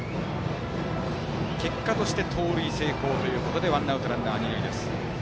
結果として盗塁成功でワンアウトランナー、二塁です。